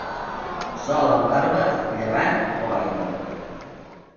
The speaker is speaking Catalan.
Sol amb barba, llevant o aigua.